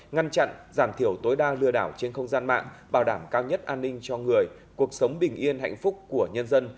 ngăn chặn giảm thiểu tối đa lừa đảo trên không gian mạng bảo đảm cao nhất an ninh cho người cuộc sống bình yên hạnh phúc của nhân dân